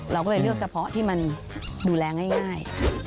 เราก็เลยเลือกเฉพาะที่มันดูแลง่าย